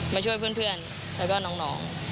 มาช่วยเพื่อนแล้วก็น้อง